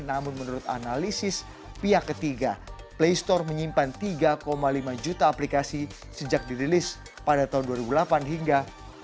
namun menurut analisis pihak ketiga play store menyimpan tiga lima juta aplikasi sejak dirilis pada tahun dua ribu delapan hingga dua ribu dua puluh